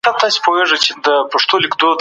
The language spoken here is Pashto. د تجربې ګډونوالو په منظم ډول پلی ګرځېدلي.